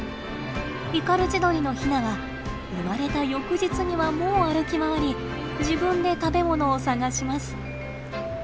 イカルチドリのヒナは生まれた翌日にはもう歩き回り自分で食べものを探します。